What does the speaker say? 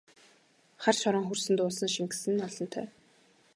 Хар шороон хөрсөнд уусан шингэсэн нь олонтой!